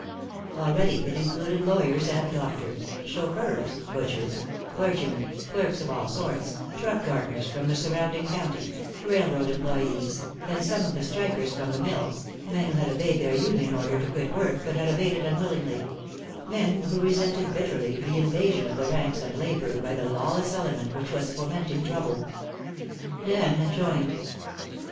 Already it included lawyers and doctors, chauffeurs, butchers, clergymen, clerks of all sorts, truck gardeners from the surrounding county, railroad employees, and some of the strikers from the mills, men who had obeyed their union order to quit work, but had obeyed it unwillingly; men who resented bitterly the invasion of the ranks of labor by the lawless element which was fomenting trouble. Dan had joined.